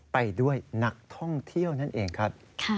ไปด้วยนักท่องเที่ยวนั่นเองครับ